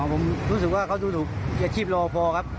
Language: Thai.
ผมรู้สึกว่าเขาดูถูกอาชีพรอพอครับ